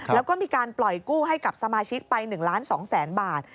แล้วก็มีการปล่อยกู้ให้กับสมาชิกไป๑ล้าน๒แสนบาท